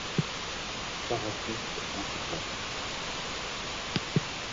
Pas raciste en tout cas.